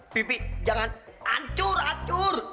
pipi jangan ancur ancur